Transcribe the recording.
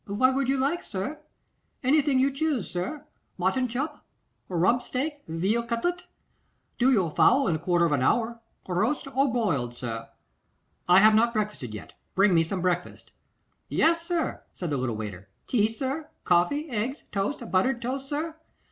'What would you like, sir? Anything you choose, sir. Mutton chop, rump steak, weal cutlet? Do you a fowl in a quarter of an hour; roast or boiled, sir?' 'I have not breakfasted yet; bring me some breakfast.' 'Yes, sir,' said the little waiter. 'Tea, sir? Coffee, eggs, toast, buttered toast, sir?